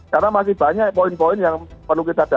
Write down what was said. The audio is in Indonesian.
karena masih banyak poin poin yang perlu kita dalangkan